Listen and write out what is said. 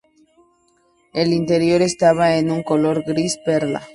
El interior estaba en un color gris-perla.